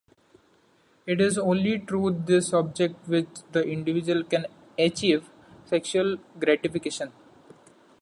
It is only through this object which the individual can achieve sexual gratification.